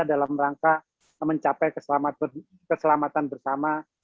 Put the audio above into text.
dalam rangka mencapai keselamatan bersama